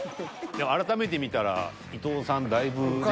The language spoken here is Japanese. でも改めて見たら伊藤さんだいぶねえ。